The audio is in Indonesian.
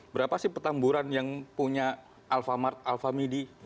berapa sih petamburan yang punya alfamart alfamidi